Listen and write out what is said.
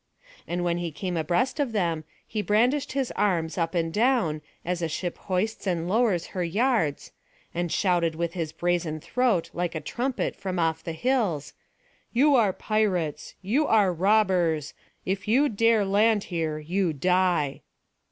And when he came abreast of them he brandished his arms up and down, as a ship hoists and lowers her yards, and shouted with his brazen throat like a trumpet from off the hills: "You are pirates, you are robbers! If you dare land here, you die."